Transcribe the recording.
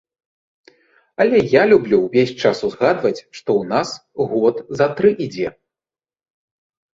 Але я люблю ўвесь час узгадваць, што ў нас год за тры ідзе.